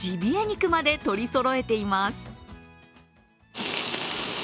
肉まで取りそろえています。